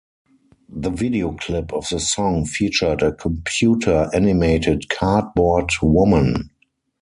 The video clip of the song featured a computer animated cardboard woman.